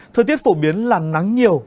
thời tiết phổ biến là nắng nhiều